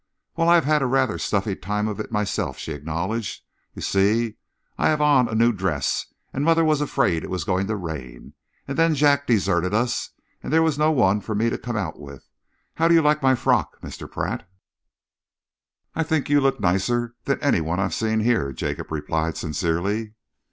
"Well, I've had rather a stuffy time of it myself," she acknowledged. "You see, I have on a new dress, and mother was afraid it was going to rain. And then Jack deserted us, and there was no one for me to come out with. How do you like my frock, Mr. Pratt?" "I think you look nicer than any one I've seen here," Jacob replied sincerely.